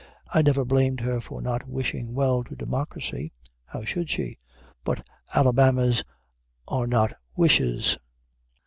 I never blamed her for not wishing well to democracy, how should she? but Alabamas are not wishes.